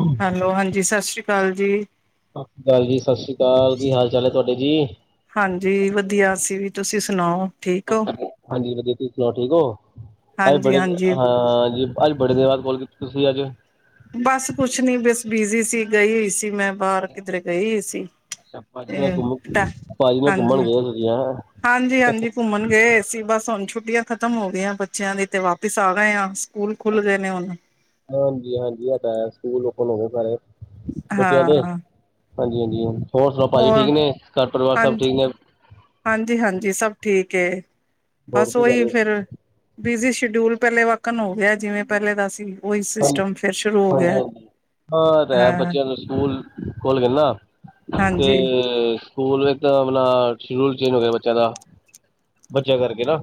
ਹਾਂ [unintelligible] ਹੈਲੋ, ਹਾਂਜੀ। ਸਤਿ ਸ਼੍ਰੀ ਅਕਾਲ ਜੀ। ਸਤਿ ਸ਼੍ਰੀ ਅਕਾਲ ਜੀ, ਸਤਿ ਸ਼੍ਰੀ ਅਕਾਲ, ਕੀ ਹਾਲ ਚਾਲ ਐ ਤੁਹਾਡੇ ਜੀ? ਹਾਂਜੀ, ਵਧੀਆ ਅਸੀ ਵੀ, ਤੁਸੀਂ ਸੁਣਾਓ? ਠੀਕ ਹੋ [unintelligible] ਹਾਂਜੀ, ਵਧੀਆ ਤੁਸੀਂ ਸੁਣਾਓ, ਠੀਕ ਓ? ਹਏ ਹਾਂਜੀ ਬੜੇ ਹਾਂਜੀ। ਹਾਂ ਜੀ। ਅੱਜ ਬੜੇ ਦਿਨ, ਬਾਦ ਕੋਲ ਕੀਤੀ ਤੁਸੀਂ ਅੱਜ? ਬਸ ਕੁੱਛ ਨੀ, ਬਸ ਬਿਜੀ ਸੀ। ਗਈ ਹੋਈ ਸੀ। ਮੈਂ ਬਾਰ ਕਿਧਰੇ, ਗਈ ਹੋਈ ਸੀ। ਅੱਛਾ, ਭਾਜੀ ਨਾਲ, ਤੇ ਭਾਜੀ ਨਾਲ, ਘੁੰਮਣ ਗਏ ਹੋ ਤੁਸੀ ਹੈਂ। ਹਾਂਜੀ-ਹਾਂਜੀ, ਘੁੰਮਣ ਗਏ ਹੋਏ ਸੀ। ਬੱਸ ਹੁਣ ਛੁੱਟੀਆਂ ਖਤਮ ਹੋ ਗਈਆਂ। ਬੱਚਿਆਂ ਦੀ ਤੇ, ਵਾਪਿਸ ਆ ਗਏ ਆ। ਸਕੂਲ ਖੁੱਲ ਗਏ ਨੇ ਹੁਣ। ਹਾਂਜੀ-ਹਾਂਜੀ ਆ ਤਾਂ ਸਕੂਲ ਓਪਨ ਹੋਵੇ ਸਾਰੇ ਬੱਚਿਆਂ ਦੇ। ਹਾਂ ਹਾਂਜੀ-ਹਾਂਜੀ, ਹੋਰ ਸੁਣਾਓ? ਭਾਜੀ ਹੋਰ ਠੀਕ ਨੇ ਘਰ ਪਰਿਵਾਰ ਸਭ ਠੀਕ ਨੇ। ਹਾਂਜੀ-ਹਾਂਜੀ, ਸਭ ਠੀਕ ਹੋਰ ਬਸ ਕੀ ਕਰ ਓਹੀ ਰਹੇ ਸੀ ਫਿਰ ਬਿਜੀ ਸ਼ਡਿਊਲ ਪਹਿਲੇ ਵਾਕਨ ਹੋ ਗਿਆ, ਜਿਵੇਂ ਪਹਿਲੇ ਦਾ ਸੀ। ਉਹੀ ਹਾਂ ਸਿਸਟਮ ਫੇਰ, ਸ਼ੁਰੂ ਹੋ ਹਾਂਜੀ ਗਿਆ ਐ। ਹਾਂਜੀ ਹਾਂ ਆ ਤਾਂ ਹੈ, ਬੱਚਿਆਂ ਨੂੰ ਸਕੂਲ ਖੁੱਲ੍ਹਗੇ ਨਾ ਹਾਂਜੀ, ਤੇ ਸਕੂਲ ਵਿੱਚ ਆਪਣਾ ਸ਼ੱਡਊਲ ਚੇਂਜ ਹੋ ਗਿਆ, ਬੱਚਿਆਂ ਦਾ ਬੱਚਿਆਂ ਕਰਕੇ ਨਾ।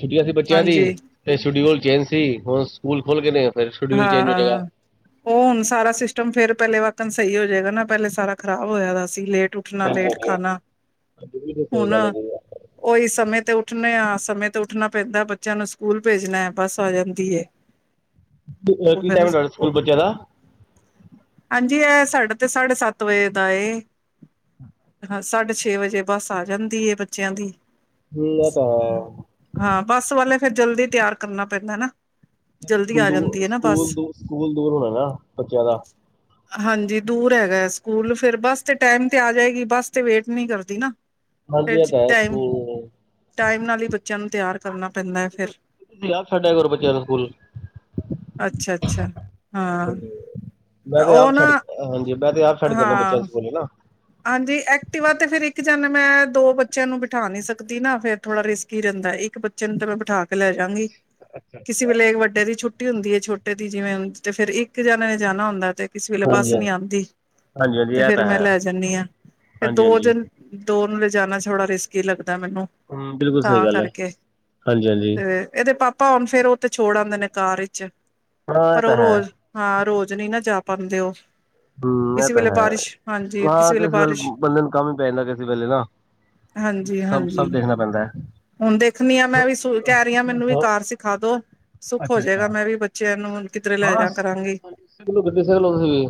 ਛੁੱਟੀਆਂ ਸੀ ਬੱਚਿਆਂ ਦੀ ਹਾਂਜੀ, ਤੇ ਸ਼ਡਿਊਲ ਚੇਂਜ ਸੀ, ਹੁਣ ਸਕੂਲ ਖੁਲ੍ਹ ਗੇ ਨੇ। ਫਿਰ ਸ਼ਡਿਊਲ ਚੇਂਜ ਹੋ ਜਾਏਗਾ ਹਾਂ, ਓ ਹੁਣ ਸਾਰਾ ਸਿਸਟਮ ਫੇਰ ਪਹਿਲੇ ਵਕਨ ਸਈ ਹੋਜੇਗਾ, ਨਾ ਪਹਿਲੇ ਸਾਰਾ ਖ਼ਰਾਬ ਹੋਇਆ ਵਾ ਸੀ ਲੇਟ ਉੱਠਣਾ ਲੇਟ ਖਾਣਾ ਬਿਲਕੁਲ ਸਹੀ ਹੁਣ ਗੱਲ ਹੈ ਓਈ ਸਮੇਂ ਤੇ ਉੱਠਣੇ ਆ ਸਮੇਂ ਤੇ ਉੱਠਣਾ ਪੈਂਦਾ, ਬੱਚਿਆਂ ਨੂੰ ਸਕੂਲ ਭੇਜਣਾ ਬਸ ਆ ਜਾਂਦੀ ਏ। ਉਹ ਕੀ-ਕੀ ਫਿਰ ਟਾਈਮ ਥੋਡੇ ਸਕੂਲ ਬੱਚਿਆਂ ਦਾ? ਹਾਂਜੀ ਐ ਸਾਡੇ ਤੇ ਸਾਢੇ ਸੱਤ ਵਜੇ ਦਾ ਏ। ਹਾਂ, ਸਾਢੇ ਛੇ ਵਜੇ ਬੱਸ ਆ ਜਾਂਦੀ ਏ ਬੱਚਿਆਂ ਦੀ। ਹੂੰ ਐ ਤਾਂ ਹੈ। ਹਾਂ ਬੱਸ ਵਾਲੇ ਫੇਰ ਜਲਦੀ ਤਿਆਰ ਕਰਨਾ ਪੈਂਦਾ ਨਾ, ਜਲਦੀ ਸਕੂਲ ਆ ਦੂਰ ਜਾਂਦੀ ਐ ਨਾ ਸਕੂਲ ਬੱਸ। ਦੂਰ ਸਕੂਲ ਦੂਰ ਹੋਣਾ ਨਾ ਬੱਚਿਆਂ ਦਾ। ਹਾਂਜੀ ਦੂਰ ਹੈਗਾ, ਸਕੂਲ ਫਿਰ ਬੱਸ ਤੇ ਟੈਮ ਤੇ ਆ ਜਾਏਗੀ, ਬੱਸ ਤੇ ਵੇਟ ਨੀ ਕਰਦੀ ਨਾ। ਹਾਂਜੀ ਫਿਰ ਐ ਤਾਂ ਹੈ ਟਾਈਮ [unintelligible] ਟਾਈਮ ਨਾਲ ਈ ਬੱਚਿਆਂ ਨੂੰ ਤਿਆਰ ਕਰਨਾ ਪੈਂਦੈ ਫਿਰ। ਤੁਸੀਂ ਆਪ ਛੱਡਿਆ ਕਰੋ ਬੱਚਿਆਂ ਨੂੰ ਸਕੂਲ ਅੱਛਾ-ਅੱਛਾ, ਹਾਂ। ਮੈਂ ਤੇ ਉਹ ਆਪ ਨਾ ਛੱਡ ਹਾਂਜੀ, ਮੈਂ ਤੇ ਆਪ ਛੱਡ ਕੇ ਆਨਾ ਹਾਂ, ਬੱਚਿਆਂ ਨੂੰ ਸਕੂਲ ਨਾ ਹਾਂਜੀ ਐਕਟਿਵਾ ਤੇ ਫੇਰ ਇਕ ਜਾਨੇ ਮੈਂ ਦੋ ਬੱਚਿਆਂ ਨੂੰ ਬਿਠਾ ਨੀ ਸਕਦੀ ਨਾ ਫੇਰ ਥੋੜਾ ਰਿਸਕ ਗਿਰਨ ਦਾ ਇਕ ਬੱਚੇ ਨੂੰ ਤਾਂ ਮੈ ਬਿਠਾ ਕੇ ਲੈ ਜਾਗੀ [unintelligible] ਕਿਸੇ ਵੇਲੇ ਵਡੇ ਦੀ ਛੁਟੀ ਹੁਦੀ ਹੈ, ਛੋਟੇ ਦੀ ਜਿਵੇ ਤੇ ਫਿਰ ਇਕ ਜਾਣੇ ਨੇ ਜਾਣਾ ਹੁਦਾ ਤੇ ਕਿਸੇ ਵੇਲੇ ਬੱਸ ਹਾਂਜੀ ਨੀ ਹਾਂਜੀ ਆਉਦੀ ਹਾਂਜੀ ਹਾਂਜੀ ਤੇ ਇਹ ਫੇਰ ਤਾਂ ਮੈ ਹੈ ਲੈ ਜਾਨੀ ਹਾਂ ਤੇ ਹਾਂਜੀ ਦੋ ਹਾਂਜੀ ਜਨ ਦੋ ਨੂੰ ਲਿਜਾਣਾ ਥੋੜਾ ਰਿਸਕ ਹੀ ਲੱਗਦਾ ਮੈਨੂੰ ਹੂੰ ਬਿਲਕੁਲ ਸਹੀ ਤਾਂ ਗੱਲ ਹੈ ਕਰਕੇ ਹਾਂਜੀ ਹਾਂਜੀ ਤੇ ਇਹਦੇ ਪਾਪਾ ਭਾ ਹੁਣ ਫੇਰ ਉਹ ਤੇ ਛੋੜ ਆਉਦੇ ਨੇ ਕਾਰ ਵਿਚ ਹਾਂ ਇਹ ਪਰ ਤਾਂ ਉਹ ਹੈ ਰੋਜ਼ ਹਾਂ ਰੋਜ਼ ਨਹੀ ਨਾ ਜਾ ਪਾਉਦੇ ਉਹ ਹੂੰ ਇਹ ਕਿਸੇ ਤਾਂ ਵੇਲੇ ਹੈ, ਬਾਰਿਸ਼ ਹਾਂਜੀ ਹਾਂ ਕਿਸੇ ਵੇਲੇ ਬਾਰਿਸ਼ ਬੰਦੇ ਨੂੰ ਕਮ ਹੀ ਪੈ ਜਾਦਾ ਕਿਸੇ ਵੇਲੇ ਨਾ ਹਾਂਜੀ ਸਭ ਹਾਂਜੀ ਸਭ ਦੇਖਣਾ ਪੈਂਦਾ ਹੈ। ਹੁਣ ਦੇਖਣੀ ਆ, ਮੈ ਵੀ ਸੁ ਕਹਿ ਰਹੀ ਹਾਂ ਮੈਨੂੰ ਵੀ ਕਾਰ ਸਿਖਾ ਦੋ ਸੁੱਖ ਹੋ ਅੱਛਾ ਜਾਏਗਾ, ਅੱਛਾ ਮੈ ਵੀ ਬੱਚਿਆਂ ਨੂੰ ਕਿਧਰੇ ਲੈ ਹਾਂ ਜਾ ਕਰਾਗੇ ਸਿੱਖ ਲੋ ਗੱਡੀ ਸਿੱਖ ਲੋ ਤੁਸੀਂ ਵੀ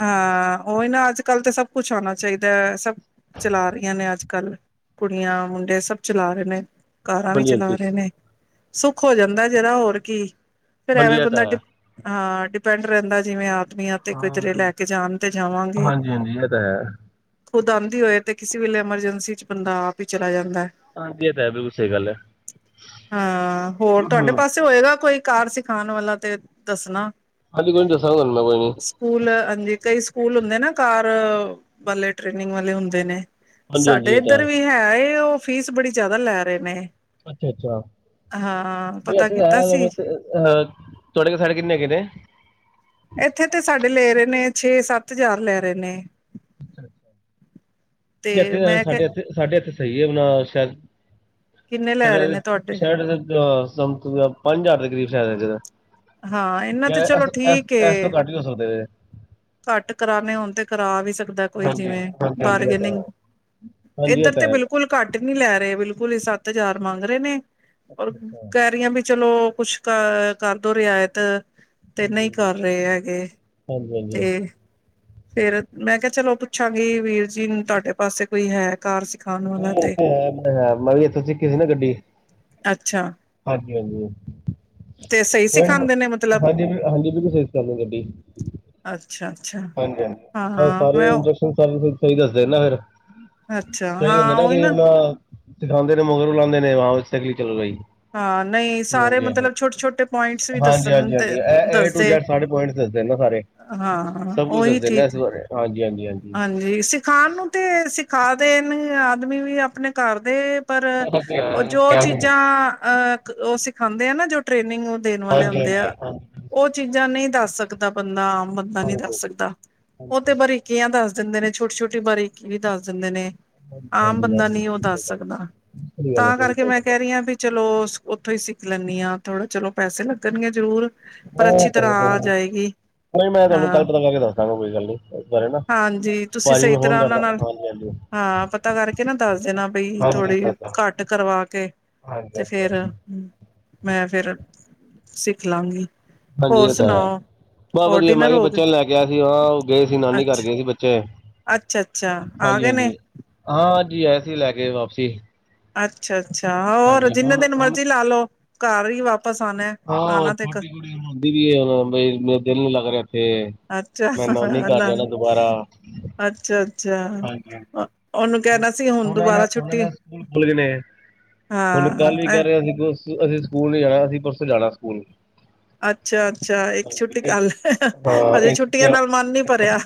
ਹਾਂ ਉਹੀ ਨਾ ਅਜ-ਕਲ ਤਾਂ ਸਭ ਕੁਛ ਹੋਣਾ ਚਾਹੀਦਾ ਸਭ ਚਲਾ ਰਹੀਆਂ ਨੇ, ਅੱਜ-ਕੱਲ੍ਹ ਕੁੜੀਆਂ ਮੁੰਡੇ ਸਭ ਚਲਾ ਰਹੇ ਨੇ ਕਾਰਾ ਵੀ ਹਾਂਜੀ ਚਲਾ ਹਾਂਜੀ ਰਹੇ ਨੇ ਸੁੱਖ ਹੋ ਜਾਦਾ, ਹੋਰ ਕੀ ਫੇਰ ਹਾਂਜੀ ਐਵੇ ਇਹ ਤਾਂ ਬੰਦਾ ਹੈ ਹਾਂ ਡਿਪੈਂਡ ਰਹਿਦਾ ਜਿਵੇ ਆਦਮੀਆਂ ਤੇ ਕਿਧਰੇ ਲੈ ਕੇ ਜਾਣ ਤੇ ਜਾਵਾਗੇ। ਹਾਜੀ ਔ ਤਾਂ ਹੈ। ਖੁਦ ਆਦੀ ਹੋਏ ਤੇ, ਕਿਸੇ ਵੇਲੇ ਐਮਰਜੈਂਸੀ ਚ ਬੰਦਾ ਆਪ ਹੀ ਚਲਾ ਜਾਦਾ ਹੈ। ਹਾਂਜੀ ਇਹ ਤਾਂ ਹੈ ਬਿਲਕੁਲ ਸਹੀ ਗੱਲ ਹੈ ਹਾਂ ਹੋਰ ਤੁਹਾਡੇ ਪਾਸੇ ਹੋਏਗਾ ਕੋਈ ਕਾਰ ਸੀ ਖਾਣ ਵਾਲਾ ਤੇ ਦਸਣਾ ਹੱਜੀ ਕੋਈ ਨਹੀ ਦਸਾਗਾ ਮੈ ਕੋਈ ਨੀ ਸਕੂਲ ਹਾਂਜੀ ਕਈ ਸਕੂਲ ਹੁੰਦੇ ਨਾ ਕਾਰ ਵਾਲੇ ਟ੍ਰੇਨਿੰਗ ਵਾਲੇ ਹੁਦੇ ਨੇ ਹਾਂਜੀ ਹਾਂਜੀ ਸਾਡੇ ਇਹ ਤਾਂ ਇਧਰ ਵੀ ਹੈ, ਉਹ ਫੀਸ ਬੜੀ ਜ਼ਿਆਦਾ ਲੈ ਰਹੇ ਨੇ ਅੱਛਾ-ਅੱਛਾ, ਹਾਂ [unintelligible] ਅਹ ਪਤਾ ਕੀਤਾ ਸੀ। ਤੁਹਾਡੇ ਕੋਲ ਸੋਡੇ ਕਿਨੇ ਹੈਗੇ ਨੇ ਇਥੇ ਤੇ ਸਾਡੇ ਲੈ ਰਹੇ ਨੇ ਛੇ ਸੱਤ ਹਜ਼ਾਰ ਲੈ ਰਹੇ ਨੇ ਤੇ ਇਥੇ, ਮੈਂ ਕਿਹਾ ਸਾਡੇ ਇੱਥੇ, ਸਾਡੇ ਇੱਥੇ ਸਹੀ ਏ, ਨਾ ਸ਼ਾਦ ਕਿੰਨੇ ਲੈ ਸਾਡੇ ਰਹੇ ਨੇ ਇੱਥੇ ਤੁਹਾਡੇ ਸ਼ਰਟ ਦੇ ਤਾਂ, ਪੰਜ-ਹਜ਼ਾਰ ਦੇ ਕਰੀਬ ਸ਼ਾਇਦ ਹੈਗੇ ਹਾਂ, ਇਹਨਾਂ ਜਾਂ ਤੇ ਚਲੋ ਇਸ ਇਸ ਠੀਕ ਇਸ ਤੋਂ ਏ, ਘੱਟ ਵੀ ਹੋ ਸਕਦੇ ਨੇ ਘੱਟ ਕਰਾਣੇ ਹੋਣ ਤੇ ਕਰਾ ਵੀ ਸਕਦਾ ਕੋਈ ਹਾਂਜੀ ਜਿਵੇਂ, ਹਾਂਜੀ ਹਾਂਜੀ ਬਾਰਗੇਨਿਂਗ। ਹਾਂਜੀ ਇਹ ਤਾਂ ਹੈ ਹਾਂਜੀ ਇਹ ਇੱਧਰ ਤਾਂ ਤੇ ਹੈ ਬਿਲਕੁਲ ਘੱਟ ਨੀ ਲੈ ਰਹੇ, ਬਿਲਕੁਲ ਹੀ ਸੱਤ-ਹਜ਼ਾਰ ਮੰਗ ਰਹੇ ਨੇ, ਔਰ ਅੱਛਾ ਅੱਛਾ ਕੈਰੀਆਂ ਵੀ ਚਲੋ ਕੁਛ ਕ ਅਹ ਕਰਦੋ, ਰਿਆਇਤ ਤੇ ਹਾਂਜੀ ਨਹੀ ਹਾਂਜੀ ਕਰ ਰਹੇ ਹੈਗੇ, ਹਾਂਜੀ ਹਾਂਜੀ ਤੇ ਨਹੀਂ ਫੇਰ, ਮੈਂ ਕਿਹਾ ਚਲੋ ਪੁਛਾਂਗੀ ਵੀਰ ਜੀ ਨੂੰ, ਤੁਹਾਡੇ ਪਾਸੇ ਕੋਈ ਹੈ? ਕਾਰ ਸਿਖਾਨ। ਓਹੋ, ਓ ਤੇ ਹੈ, ਮੈ ਵੀ ਇਥੇ ਸਿਖੀ ਸੀ ਨਾ ਗੱਡੀ। ਅਛਾ। ਹਾਂਜੀ-ਹਾਂਜੀ, ਸਹੀ ਕੋਈ ਨਹੀਂ, ਸਿਖਾਉਂਦੇ ਨੇ ਮਤਲਬ ਹਾਂਜੀ-ਹਾਂਜੀ ਤੁਸੀ ਸੇਫ ਕਰਲੋ ਗੱਡੀ। ਅੱਛਾ-ਅੱਛਾ। ਹਾਂਜੀ-ਹਾਂਜੀ, ਸਾਰੇ ਇੰਨਸਟਰਕਸ਼ਨ ਸਾਰੇ ਸਹੀ ਦੱਸਦੇ ਨਾ ਫਿਰ। ਅੱਛਾ ਕਈ ਹੁੰਦੇ ਹਾਂ ਨਾ ਉਹੀ ਕਈ, ਆਪਨਾ ਸਿਖਾਂਦੇ ਨੇ ਮਗਰੋ ਲਾਉਂਦੇ ਨੇ, ਹਾਂ ਬਈ, ਸਹੀ ਚਲ ਰਹੀ। ਹਾਂ, ਨਹੀ, ਸਾਰੇ ਮਤਲਬ ਛੋਟੇ-ਛੋਟੇ ਪੁਆਇੰਟਸ ਵੀ ਹਾਂਜੀ ਹਾਂਜੀ ਦਸਣ ਹਾਂਜੀ ਹਾਂਜੀ ਤੇ ਇਹ ਦਸਦੇ ਸਾਰੇ ਪੁਆੰਈਟ ਦਸਦੇਨ ਨਾ ਸਾਰੇ। ਹਾਂ। ਸਭ ਕੁਝ ਦੱਸਦੇਨ ਨਾ, ਇਸ ਬਾਰੇ ਹਾਂਜੀ-ਹਾਂਜੀ-ਹਾਂਜੀ ਜ ਸਿਖਾਣ ਨੂੰ ਤੇ ਸਿਖਾਦੇਨ, ਆਦਮੀ ਵੀ ਆਪਣੇ ਘਰ ਦੇ ਪਰ, ਉਹ ਜੋ ਚੀਜਾਂ ਅਂ ਉਹ ਸਿਖਾਂਦੇ ਆ ਨਾ, ਜੋ ਟ੍ਰੇਨਿੰਗ ਦੇਣ ਵਾਲੇ ਹੁੰਦੇ ਆ, ਉਹ ਚੀਜਾਂ ਨਹੀ ਦੱਸ ਸਕਦਾ ਬੰਦਾ। ਬੰਦਾ ਨਹੀਂ ਦੱਸ ਸਕਦਾ, ਉਹ ਤੇ ਬਾਰੀਕੀਆਂ ਦੱਸ ਦਿੰਦੇ ਨੇ, ਛੋਟੀ-ਛੋਟੀੇ ਕੀ ਬਾਰੇ ਕੀ, ਦੱਸ ਦਿੰਦੇ ਨੇ। ਆਮ ਬੰਦਾ ਨੀ ਉਹ ਬਿਲਕੁਲ ਸਹੀ ਦੱਸ ਗੱਲ ਹੈ। ਸਕਦਾ, ਕੋਈ ਗੱਲ ਤਾਂ ਨਹੀਂ ਕਰਕੇ ਕੋਈ ਮੈਂ ਗੱਲ ਕਹਿ ਨਹੀਂ ਰਹੀ ਹਾਂ ਵੀ ਚਲੋ ਉੱਥੋਂ ਹੀ ਸਿੱਖ ਲੈਂਨੀ ਆਂ, ਥੋੜਾ ਚਲੋ ਪੈਸੇ ਲੱਗਣਗੇ ਜ਼ਰੂਰ। ਪਰ, ਹਾਂ ਇਹ ਅੱਛੀ ਤਾਂ ਤਰ੍ਹਾਂ ਹੈ ਕੋਈ ਆ ਨੀ। ਜਾਏਗੀ। ਨਹੀਂ, ਮੈਂ ਤੁਹਾਨੂੰ ਕੱਲ ਅਹ ਪਤਾ ਕਰਕੇ ਦੱਸ ਦਾਂਗਾ ਕੋਈ ਗੱਲ ਨੀ, ਇਸ ਬਾਰੇ ਨਾ, ਹਾਂਜੀ ਤੁਸੀਂ ਭਾਜੀ ਸਹੀ ਨੂੰ ਫੋਨ ਤਰ੍ਹਾਂ ਉਹਨਾਂ ਕਰਦਾ, ਨਾਲ ਹਾਂਜੀ-ਹਾਂਜੀ। ਹਾਂ, ਪਤਾ ਕਰਕੇ ਨਾ ਦੱਸ ਦੇਣਾ ਬਈ, ਹਾਂਜੀ ਥੋੜ੍ਹੀ ਕਰਦਾ। ਘੱਟ ਕਰਵਾਕੇ। ਹਾਂਜੀ ਤੇ ਫਿਰ, ਹਾਂਜੀ। ਹਾਂਜੀ ਮੈਂ ਫੇਰ ਸਿੱਖਲਾਂਗੀ। ਹੋਰ ਸੁਣਾਓ? ਬਹੁ ਵਧੀਆ, ਮੈਂ ਡਿਨਰ ਵੀ ਹੋ ਬੱਚਿਆਂ ਨੂੰ ਗਿਆ ਲੈਕੇ ਆਇਆ ਸੀ ਹਾਂ, ਉਹ ਗਏ ਸੀ ਨਾਨੀ ਘਰ ਗਏ ਸੀ ਬੱਚੇ। ਅੱਛਾ-ਅੱਛਾ ਆ ਗਏ ਨੇ। ਹਾਂਜੀ, ਐ ਸੀ ਲੈਗੇ ਵਾਪਸੀ। ਅੱਛਾ-ਅੱਛਾ, ਹੋਰ, ਜਿੰਨੇ ਦਿਨ ਮਰਜੀ ਲਾਲੋ ਘਰ ਹੀ ਵਾਪਿਸ ਆਨਾ ਏ। ਹਾਂ, ਓਹ ਛੋਟੀ ਕੁੜੀ ਰੋਂਦੀ ਪਈਏ, ਬਈ ਮੇਰਾ ਦਿਲ ਨੀ ਲੱਗ ਰਿਹਾ ਇੱਥੇ। ਅੱਛਾ ਮੈਂ, ਨਾਨੀ ਘਰ ਜਾਣਾ ਦੁਬਾਰਾ। ਅੱਛਾ-ਅੱਛਾ। ਉਹਨਾਂ ਨਾ, ਉਹਨਾਂ ਨਾ ਸਕੂਲ ਖੁੱਲ ਗਏ ਨੇ। ਹੁਨ ਹਾਂ ਕੱਲ ਵੀ ਕਹਿ ਰਹੇ ਆ, ਅਸੀਂ, ਅਸੀਂ ਸਕੂਲ ਨੀ ਜਾਣਾ, ਅਸੀਂ ਪਰਸੋਂ ਜਾਣਾ ਸਕੂਲ। ਅੱਛਾ-ਅੱਛਾ, ਇੱਕ ਛੁੱਟੀ ਕਰਲੇ, ਹਜੇ ਛੁੱਟੀਆਂ ਨਾਲ ਮਨ ਨੀ ਭਰਿਆ।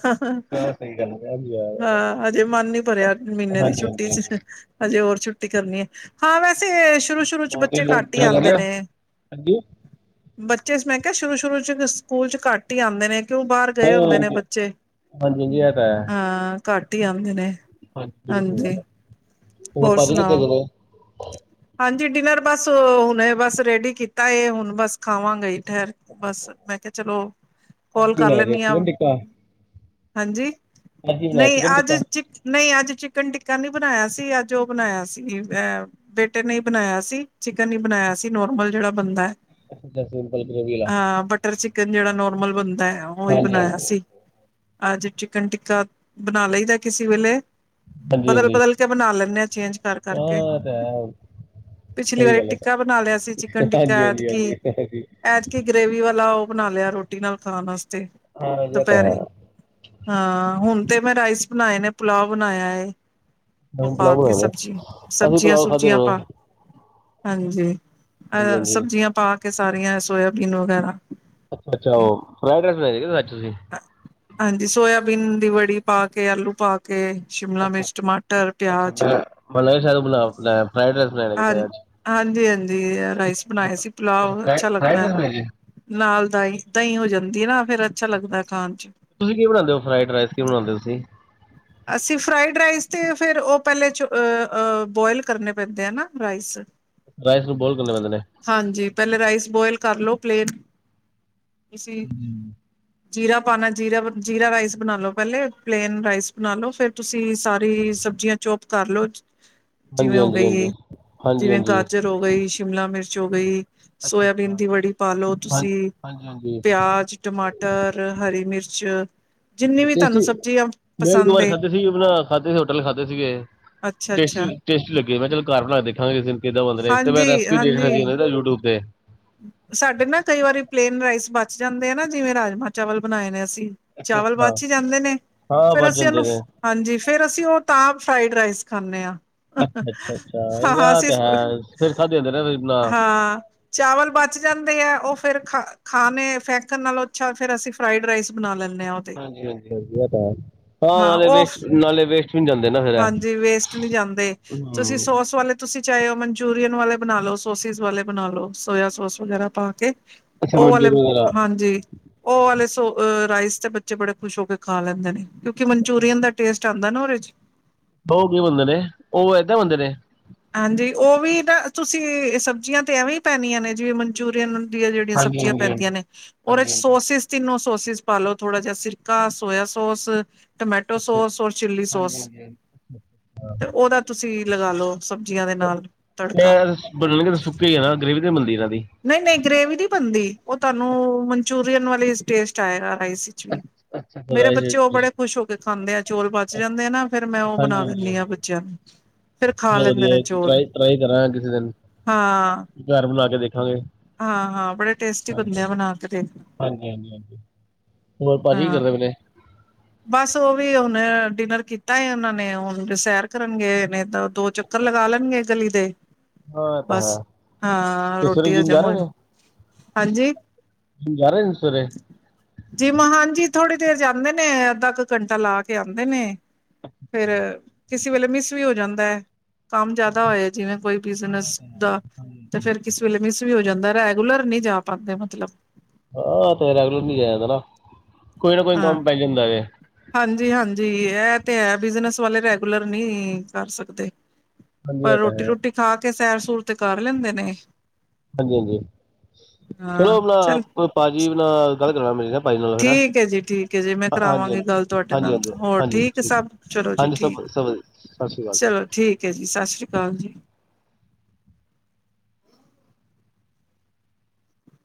ਹਾ, ਸਹੀ ਗੱਲ ਏ, ਐਵੀ ਹੈ। ਹਾਂ ਹਜੇ ਮਨ ਨੀ ਭਰਿਆ, ਮਹੀਨੇ ਦੀ ਛੁੱਟੀ'ਚ। ਹਜੇ ਹੋਰ ਛੁੱਟੀ ਕਰਨੀ ਏ, ਹਾਂ ਵੈਸੇ ਸ਼ੁਰੂ-ਸ਼ੁਰੂ'ਚ ਹੋਰ ਬੱਚੇ ਤੁਸੀਂ ਤੁਸੀਂ ਘੱਟ ਹੀ ਕਰ ਆਂਦੇ ਲਿਆ ਨੇ। ਹਾਂਜੀ! ਬੱਚੇ ਮੈਂ ਕਿਹਾ, ਸ਼ੁਰੂ-ਸ਼ੁਰੂ'ਚ ਸਕੂਲ'ਚ ਘੱਟ ਹੀ ਆਂਦੇ ਨੇ। ਕਿਉਂ ਬਾਹਰ ਹਾਂ ਗਏ ਹੁੰਦੇ ਨੇ ਹਾਂਜੀ ਬੱਚੇ, ਹਾਂਜੀ ਇਹ ਤਾਂ ਹੈ ਹਾਂ। ਘੱਟ ਹੀ ਆਂਦੇ ਨੇ, ਬਿਲਕੁਲ ਸਹੀ ਗੱਲ ਹਾਂਜੀ, ਹੈ ਹੋਰ ਭਾਜੀ ਕਿੱਥੇ ਸੁਣਾਓ? ਚਲੇ ਹਾਂਜੀ, ਡਿਨਰ ਬਸ ਹੁਣੇ ਬਸ ਰੇਡੀ ਕੀਤਾ, ਹੁਣ ਬਸ ਖਾਵਾਂਗੇ ਈ, ਠਹਿਰ ਬਸ, ਮੈਂ ਕਿਹਾ ਚਲੋ, ਅੱਜ ਕੌਲ ਕੀ ਕਰ ਬਣਾਇਆ ਜੀ ਲੈਨੀ ਆਂ, ਚਿਕਨ ਟਿੱਕਾ ਹਾਂਜੀ। ਅੱਜ ਹੀ ਬਣਾਇਆ ਨਹੀਂ, ਚਿਕਨ ਆਜ ਟਿੱਕਾ ਚ ਨਹੀਂ ਅੱਜ ਚਿਕਨ ਟਿੱਕਾ ਨੀ ਬਨਾਇਆ ਸੀ, ਅੱਜ ਉਹ ਬਨਾਇਆ ਸੀ ਅ ਬੇਟੇ ਨੇ ਈ ਬਨਾਇਆ ਸੀ, ਚਿਕਨ ਵੀ ਬਨਾਇਆ ਸੀ, ਨੋਰਮਲ ਜੇਹੜਾ ਬਨਦੇ ਅੱਛਾ ਸਿੰਪਲ ਗ੍ਰੇਵੀ ਵਾਲਾ ਬਟਰ ਚਿਕਨ ਜੇਹੜਾ ਨੋਰਮਲ ਬਨਦੇ, ਉਹੀ ਹਾਂਜੀ ਬਨਾਇਆ ਹਾਂਜੀ ਸੀ ਅਜ ਚਿਕਨ ਟਿੱਕਾ ਬਨਾ ਲਈ ਦੇ ਕਿਸੇ ਵੇਲੇ ਹਾਂਜੀ ਬਦਲ ਹਾਂਜੀ ਬਦਲ ਕੇ ਬਨਾ ਲੈਂਨੇ ਆ, ਚੇਂਜ ਕਰ ਕਰ ਹਾਂ ਕੇ [unintelligible] ਪਿਛਲੀ ਸਹੀ ਵਾਰੀ ਗੱਲ ਹੈ ਤਾਂ। ਟਿੱਕਾ ਬਨਾ ਲਿਆ ਸੀ ਚਿਕਨ ਟਿੱਕਾ, ਹਾਂਜੀ ਹਾਂਜੀ ਹਾਂਜੀ ਐਤਕੀ ਹਾਂਜੀ ਐਤਕੀ ਗਰੇਵੀ ਵਾਲਾ ਉਹ ਬਣਾ ਲਿਆ, ਰੋਟੀ ਨਾਲ ਖਾਣ ਵਾਸਤੇ, ਹਾਂ ਇਹ ਤਾਂ ਹੈ ਦੁਪਹਿਰੇ ਹਾਂ, ਹੁਨ ਤੇ ਮੈਂ ਰਾਈਸ ਬਨਾਏ ਨੇ, ਪੁਲਾਓ ਬਨਾਇਆ ਹੈ ਉਹ ਹੁਣ ਪਾ ਪੁਲਾਓ ਕੇ ਬਣਾਉਣੇ ਸਬਜ਼ੀ, ਸਬ ਅਸੀਂ ਸਬਜ਼ੀਆਂ ਪੁਲਾਓ ਖਾਦੇ ਸੁਬਜੀਆਂ ਪਾ ਹੋਣੇ [unintelligible] ਹਾਂਜੀ ਹਾਂਜੀ ਅਹ ਹਾਂਜੀ ਸਬਜ਼ੀਆਂ ਪਾ ਕੇ ਕੇ ਸਾਰੀਆਂ ਸੋਇਆਬੀਨ ਵਗੈਰਾ ਅੱਛਾ ਅੱਛਾ, ਉਹ ਫਰਾਈਡ ਰਾਈਸ [unintelligible] ਹਾਂਜੀ, ਸੋਇਆਬੀਨ ਦੀ ਵੜੀ ਪਾ ਕੇ, ਆਲੂ ਪਾ ਕੇ ਸ਼ਿਮਲਾ ਮਿਰਚ, ਟਮਾਟਰ, ਪਿਆਜ [unintelligible] ਆਪ ਫਰਾਈਡ ਰਾਈਸ ਬਣਾ ਹਾਂ ਆਜ ਹਾਂਜੀ ਹਾਂਜੀ, ਰਾਈਸ ਬਣਾਏ ਸੀ ਪੁਲਾਵ, ਅੱਛਾ ਲੱਗਦੇ ਨਾਲ ਦਾਹੀਂ, ਦਹੀਂ ਹੋ ਜਾਂਦੀ ਏ ਨਾ, ਫੇਰ ਅੱਛਾ ਲੱਗਦਾ ਖਾਣ ਚ ਤੁਸੀਂ ਕੀਵੇ ਬਣਾਉਂਦੇ ਹੋ ਫਰਾਈਡ ਰਾਈਸ? ਕੀਵੇ ਬਣਾਦੇ ੳ ਤੁਸੀਂ ਅਸੀਂ ਫਰਾਈਡ ਰਾਈਸ ਤੇ ਫਿਰ ਉਹ ਪਹਿਲੇ [unintelligible] ਬੋਇਲ ਕਰਨੇ ਪੈਂਦੇ ਆ ਨਾ ਰਾਈਸ ਰਾਈਸ ਨੂੰ ਬੋਇਲ ਕਰਨੇ ਪੈਂਦੇ ਨੇ ਹਾਂਜੀ, ਪਹਿਲੇ ਰਾਈਸ ਬੋਇਲ ਕਰ ਲਓ ਪਲੇਨ, ਤੁਸੀਂ ਜੀਰਾ ਪਾਨੇ ਜੀਰਾ, ਜੀਰਾ ਰਾਈਸ ਬਨਾ ਲੋ ਪਹਿਲੇ ਪਲੇਨ ਰਾਈਸ ਬਨਾ ਲੋ ਫੇਰ ਤੁਸੀਂ ਸਾਰੀ ਸਬਜ਼ੀਆਂ ਚੋਪ ਕਰ ਲੋ ਜਿਵੇਂ ਹਾਂਜੀ ਹੋ ਹਾਂਜੀ ਗਈ, ਹਾਂਜੀ ਹਾਂਜੀ ਜਿਵੇਂ ਹਾਂਜੀ ਗਾਜਰ ਹੋ ਗਈ, ਸ਼ਿਮਲਾ ਮਿਰਚ ਹੋ ਗਈ ਸੋਇਆਬੀਨ ਦੀ ਵੜੀ ਪਾ ਲੋ ਹਾਂ ਤੁਸੀਂ ਹਾਂਜੀ ਹਾਂਜੀ ਪਿਆਜ਼ ਟਮਾਟਰ, ਹਰੀ ਮਿਰਚ, ਜਿੰਨੀ ਵੀ ਤਾਹਨੂੰ ਟੇਸਟੀ ਸਬਜ਼ੀ ਆ ਮੈਂ ਇਕ ਦੋ ਵਾਰੀ ਖਾਧੇ ਸੀ ਅਪਨਾ ਖਾਧੇ ਸੀ ਹੋਟਲ ਖਾਧੇ ਸੀ ਗੇ। ਅੱਛਾ ਟੇਸਟੀ ਅੱਛਾ ਟੇਸਟੀ ਲੱਗੀ ਮੈਂ ਚੱਲ ਘਰ ਬਣਾ ਕੇ ਦੇਖਾਂਗੇ ਦਿ ਕਿਦਾਂ ਬੰਦੇ ਨੇ ਤੇ ਮੈਂ ਹਾਂਜੀ ਰੈਸਪੀ ਦੇਖ ਰਿ ਹਾਂਜੀ ਸੀ ਯੂਟਊਬ ਤੇ ਸਾਡੇ ਨਾ ਕਈ ਵਾਰੀ ਪਲੇਨ ਰਾਈਸ ਬਚ ਜਾਂਦੇ ਆ ਨਾ, ਜਿਵੇਂ ਰਾਜਮਾਂ ਚਾਵਲ ਬਨਾਏ ਨੇ ਅਸੀਂ ਚਾਵਲ ਹਾਂ ਬਾਚ ਜਾਂਦੇ ਨੇ, ਹਾਂ ਫਿਰ ਬਚ ਅਸੀਂ ਜਾਂਦੇ ੳਹਨੂੰ ਨੇ ਹਾਂਜੀ, ਫੇਰ ਅਸੀਂ ਉਹ ਤਾਂ ਫਰਾਈਡ ਰਾਈਸ ਖਾਂਨੇ ਆ ਅੱਛਾ, ਅੱਛ, ਅੱਛਾ, ਆ ਤੇ ਹੈ, ਫਿਰ ਖਾਦੇ ਜਾਂਦੇ ਨਾ [unintelligible] ਹਾਂ ਚਾਵਲ ਬਚ ਜਾਂਦੇ ਐ, ਉਹ ਫੇਰ ਖਾ ਖਾਨੇ ਫੈਕਨ ਨਾਲੋਂ ਅੱਛਾ, ਫੇਰ ਅਸੀਂ ਫਰਾਈਡ ਰਾਈਸ ਬਣਾ ਲੈਂਨੇ ਆ ਹਾਂਜੀ ਹਾਂਜੀ ਹਾਂਜੀ, ਇਹ ਤਾਂ ਹੇ, ਹਾਂ ਨਾਲੇ ਵੇਸਟ ਨਾਲੇ ਵੇਸਟ ਵੀ ਨੀ ਜਾਂਦੇ ਨਾ ਫਿਰ ਐ ਹਾਂਜੀ ਵੇਸਟ ਨੀ ਜਾਂਦੇ ਤੁਸੀਂ ਸੋਸ ਵਾਲੇ ਤੁਸੀਂ ਚਾਹੇ ੳ ਮਨਚੂਰੀਅਨ ਵਾਲੇ ਬਨਾ ਲੋ, ਸੋਸਿਸ ਵਾਲੇ ਬਨਾ ਲੋ, ਸੋਇਆ ਸੋਸ ਵਗੈਰਾ ਪਾ ਕੇ ਅੱਛਾ ਉਹ ਵਾਲੇ, ਮਨਜੂਰ ਵਗੈਰਾ ਹਾਂਜੀ ਉਹ ਵਾਲੇ ਸੋ ਰਾਈਸ ਤੇ ਬੱਚੇ ਬੜੇ ਖੁਸ਼ ਹੋ ਕੇ ਖਾ ਲੈਂਦੇ ਨੇ, ਕਿਉਂਕਿ ਮਨਚੂਰੀਅਨ ਦਾ ਟੇਸਟ ਆਂਦੇ ਨਾ ਉਹਦੇ ਚ ੳ ਕਿਵੇ ਬਨਦੇ ਨੇ? ਉਹ ਏਦਾ ਬਂਦੇ ਨੇ ਹਾਂਜੀ, ਉਹ ਵੀ ਨਾ, ਤੁਸੀਂ ਸਬਜ਼ੀਆਂ ਤੇ ਐਵੇਂ ਹੀ ਪੈਨੀਆਂ ਨੇ ਜਿਵੇਂ ਮਨਚੂਰੀਅਨ ਦੀਆਂ ਜਿਹੜੀਆਂ ਸਬਜ਼ੀਆਂ ਪੈਂਦੀਆਂ ਨੇ, ਉਹਦੇ ਚ ਸੋਸਿਸ ਤਿੰਨੋ ਸੋਸਿਸ ਪਾਲੋ, ਥੋੜਾ ਜਿਹਾ ਸਿਰਕਾ, ਸੋਇਆ ਸੋਸ ਟਮੈਟੋ ਸੋਸ ਔਰ ਚਿੱਲੀ ਸੋਸ ਤੇ ਉਹਦਾ ਤੁਸੀਂ ਲਗਾ ਲੋ ਸਬਜ਼ੀਆਂ ਦੇ ਨਾਲ ਤੜਕਾ ਭੱਲੇ ਤਾਂ ਸੁੱਕੇ ਹੀ ਹੈ ਨਾ ਗਰੇੇਵੀ ਨਹੀਂ ਮਿਲਦੀ ਰਾਣੀ ਨਹੀਂ ਨਹੀਂ ਗ੍ਰੇਵੀ ਨਹੀਂ ਬਣਦੀ ਉਹ ਤੁਹਾਨੂੰ ਮਨਚੂਰੀਅਨ ਵਾਲੇ ਟੇਸਟ ਆਏਗਾ ਰਾਈਸ ਵਿੱਚ ਵੀ ਮੇਰੇ ਹਾਂਜੀ ਬੱਚੇ ਉਹ ਬੜੇ ਖੁਸ਼ ਹੋ ਕੇ ਖਾਂਦੇ ਆ ਚੌਲ ਪਚ ਜਾਂਦੇ ਆ ਨਾ ਫਿਰ ਮੈਂ ਉਹ ਬਣਾ ਹਾਂਜੀ ਹਾਂਜੀ ਦਿੰਦੀ ਹਾਂ ਬੱਚਿਆਂ ਨੂੰ ਫਿਰ ਖਾ ਚਲੋ ਲੈਂਦੇ ਨੇ ਵਧੀਆ ਚੌਲ ਟਰਾਈ ਟਰਾਈ ਕਰਾਂਗੇ ਕਿਸੇ ਦਿਨ ਹਾਂ ਘਰ ਬੁਲਾ ਕੇ ਦੇਖਾਂਗੇ ਹਾਂ ਹਾਂ ਬੜੇ ਟੇਸਟੀ ਬਣਦੇ ਆ ਬਣਾ ਕੇ ਦੇਖ ਹਾਂਜੀ ਹਾਂਜੀ ਹਾਂਜੀ ਹੋਰ ਭਾਜੀ ਕੀ ਹਾਂ ਕਰਦੇ ਪਏ ਨੇ ਬਸ ਉਹ ਵੀ ਹੁਣ ਡਿਨਰ ਕੀਤਾ ਉਹਨਾਂ ਨੇ ਹੁਣ ਸੈਰ ਕਰਨ ਗਏ ਨਹੀਂ ਤਾਂ ਦੋ ਚੱਕਰ ਲਗਾ ਲੈਣਗੇ ਗਲੀ ਦੇ ਹਾਂ ਇਹ ਤਾਂ ਬੱਸ ਹੈ ਹਾਂ ਤੇ ਸਵੇਰੇ ਰੋਟੀ ਜਿੰਮ ਜਾ ਹਜ਼ਮ ਰਹੇ ਹੋਏ ਨੇ ਹਾਂਜੀ ਜਿੰਮ ਜਾ ਰਹੇ ਨੇ ਸਵੇਰੇ ਜੀ ਮਹਾਂਨ ਜੀ ਥੋੜੀ ਦੇਰ ਜਾਂਦੇ ਨੇ ਅੱਧਾ ਕੁ ਘੰਟਾ ਲਾ ਕੇ ਆਉਂਦੇ ਨੇ ਫਿਰ ਕਿਸੇ ਵੇਲੇ ਮਿਸ ਵੀ ਹੋ ਜਾਂਦਾ ਹੈ। ਕੰਮ ਜਿਆਦਾ ਹੋਇਆ ਜਿਵੇਂ ਕੋਈ ਬਿਜਨਸ ਦਾ ਤੇ ਫਿਰ ਕਿਸੇ ਵੇਲੇ ਮਿਸ ਵੀ ਹੋ ਜਾਂਦਾ ਰੈਗੂਲਰ ਨਹੀਂ ਜਾ ਪਾਉਂਦੇ ਮਤਲਬ ਆਹ ਤੇ ਰੈਗੂਲਰ ਨੀ ਜਾਦਾ ਨਾ ਕੋਈ ਨਾ ਕੋਈ ਹਾਂ ਕੰਮ ਪੈ ਜਾਂਦਾ ਹੈ ਹਾਂਜੀ ਹਾਂਜੀ ਇਹ ਤੇ ਹੈ ਬਿਜਨਸ ਵਾਲੇ ਰੈਗੂਲਰ ਨਹੀਂ ਕਰ ਸਕਦੇ ਹਾਂਜੀ ਪਰ ਇਹ ਤਾਂ ਰੋਟੀ ਹੈ ਰੋਟੀ ਖਾ ਕੇ ਸੈਰ ਸੂਰ ਤੇ ਕਰ ਲੈਂਦੇ ਨੇ ਹਾਂਜੀ ਹਾਂਜੀ ਚਲੋ ਹਾਂ ਚੱਲ ਆਪਣਾ ਭਾਜੀ ਨਾਲ ਗੱਲ ਕਰਾਨਾ ਮੇਰੀ ਭਾਜੀ ਨਾਲ ਫਿਰ ਠੀਕ ਹੈ ਜੀ ਠੀਕ ਹੈ ਜੀ ਮੈਂ ਹਾਂ- ਹਾਂਜੀ ਕਰਾਵਾਂਗੀ ਹਾਂਜੀ ਗੱਲ ਤੁਹਾਡੇ ਹਾਂਜੀ ਨਾਲ ਹਾਂਜੀ ਹੋਰ ਹਾਂਜੀ ਠੀਕ ਸਭ ਚਲੋ ਜੀ ਹਾਂਜੀ ਠੀਕ ਸਭ ਸਭ ਵਧੀਆ। ਹੈ ਸਤਿ ਸ਼੍ਰੀ ਅਕਾਲ ਜੀ ਚਲੋ ਠੀਕ ਹੈ ਜੀ ਸਤਿ ਸ੍ਰੀ ਅਕਾਲ ਜੀ